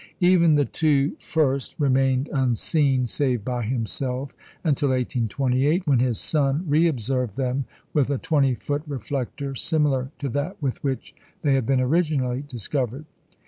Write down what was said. Even the two first remained unseen save by himself until 1828, when his son re observed them with a 20 foot reflector, similar to that with which they had been originally discovered.